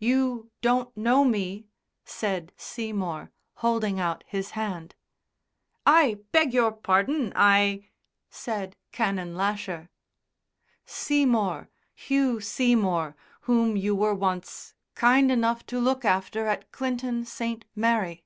"You don't know me?" said Seymour, holding out his hand. "I beg your pardon, I " said Canon Lasher. "Seymour Hugh Seymour whom you were once kind enough to look after at Clinton St. Mary."